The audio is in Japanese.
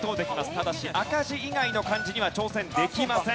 ただし赤字以外の漢字には挑戦できません。